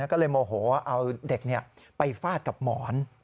ก็เลยโมโหเอาเด็กไปฟาดกับหมอน